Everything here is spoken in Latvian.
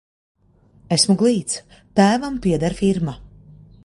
Esmu glīts, tēvam pieder firma.